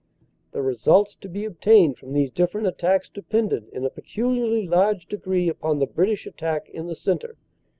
"The results to be obtained from these different attacks de pended in a peculiarly large degree upon the British attack in the centre.